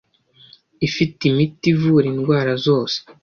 Ifite imiti ivura indwara zose